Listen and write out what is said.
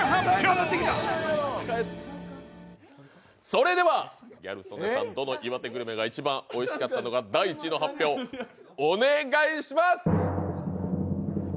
それでは、ギャル曽根さんどの岩手グルメが一番おいしかったのか、第１位の発表、お願いします！